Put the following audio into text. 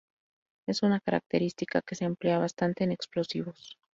Es una característica que se emplea bastante en explosivos.